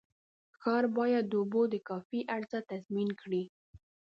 ښار باید د اوبو د کافي عرضه تضمین کړي.